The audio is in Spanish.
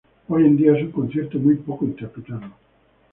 Hoy en día es un concierto muy poco interpretado.